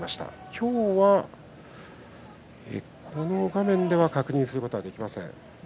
今日はこの画面では確認することはできません。